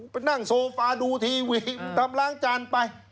ไปนั่งโซฟาดูทีวีทำล้างจานไป